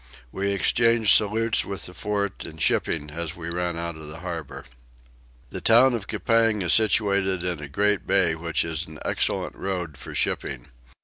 We exchanged salutes with the fort and shipping as we ran out of the harbour. The town of Coupang is situated in a great bay which is an excellent road for shipping.